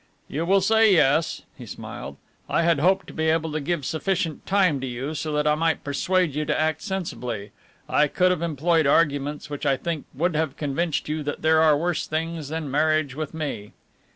"You will say 'Yes,'" he smiled. "I had hoped to be able to give sufficient time to you so that I might persuade you to act sensibly. I could have employed arguments which I think would have convinced you that there are worse things than marriage with me."